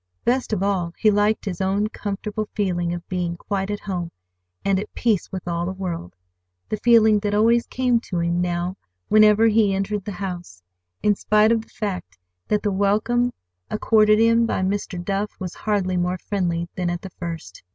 Best of all he liked his own comfortable feeling of being quite at home, and at peace with all the world—the feeling that always came to him now whenever he entered the house, in spite of the fact that the welcome accorded him by Mr. Duff was hardly more friendly than at the first.